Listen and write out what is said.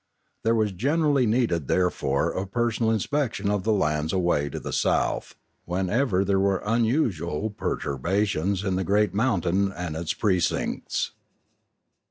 There was generally needed therefore a personal inspection of the lands away to the south, whenever there were unusual perturbations in the great mountain and its precincts.